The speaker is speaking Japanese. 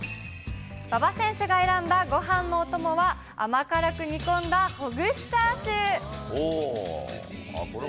馬場選手が選んだごはんのお供は、甘辛く煮込んだほぐしチャーシュー。